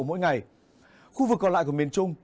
mỗi ngày khu vực còn lại của miền trung